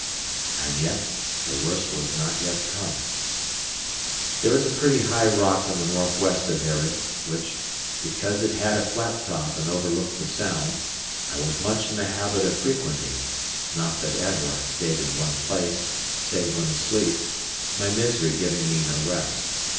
And yet the worst was not yet come. There is a pretty high rock on the northwest of Earraid, which (because it had a flat top and overlooked the Sound) I was much in the habit of frequenting; not that ever I stayed in one place, save when asleep, my misery giving me no rest.